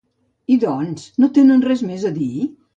I, doncs, no tenen res més a dir?